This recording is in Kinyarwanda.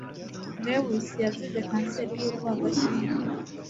Lewis yazize kanseri yurwagashya